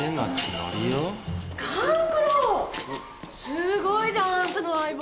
すごいじゃんあんたの相棒。